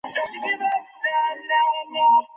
নবীন বললে, দাদা, কাল সকালে ঘণ্টা দুয়ের জন্যে ছুটি চাই।